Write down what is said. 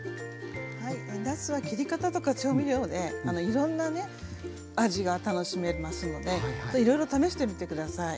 はいなすは切り方とか調味料でいろんなね味が楽しめますのでいろいろ試してみて下さい。